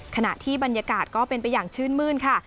ขณะที่บรรยากาศก็เป็นไปอย่างชื่นมื้นค่ะ